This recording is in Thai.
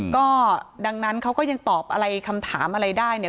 ก็ดังนั้นเขาก็ยังตอบอะไรคำถามอะไรได้เนี่ย